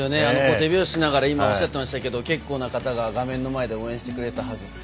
手拍子しながら今おっしゃってましたけど結構な方が画面の前で応援してくれたはず。